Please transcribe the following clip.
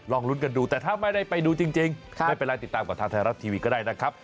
ลุ้นกันดูแต่ถ้าไม่ได้ไปดูจริงไม่เป็นไรติดตามกับทางไทยรัฐทีวีก็ได้นะครับ